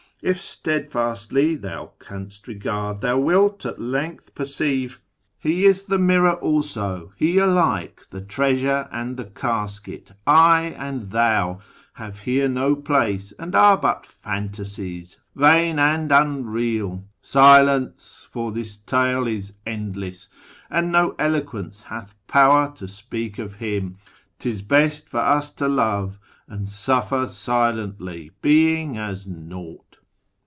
If steadfastly Thou canst regard, thou wilt at length perceive He is the mirror also — He alike The Treasure and the Casket. ' I,' and ' Thou ' Have here no place, and are but phantasies Vain and unreal. Silence ! for this tale Is endless, and no eloquence hath power To speak of Him. 'Tis best for us to love. And sutler silently, being as naught."